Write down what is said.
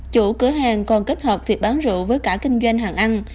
chủ cửa hàng còn kết hợp việc bán rượu với cả kinh doanh hàng ăn